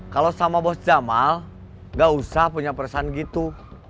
kalau sama bos jamal gak usah punya perasaan gitu